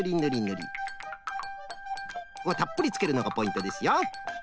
たっぷりつけるのがポイントですよ。